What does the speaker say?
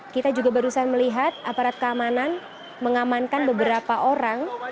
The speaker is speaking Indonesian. kita juga barusan melihat aparat keamanan mengamankan beberapa orang